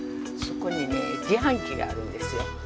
そこにね自販機があるんですよ。